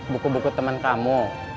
buku buku temen kamu